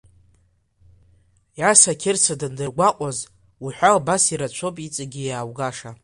Иаса Қьырса дандыргәаҟуаз уҳәа убас ирацәоуп иҵегьы иааугаша.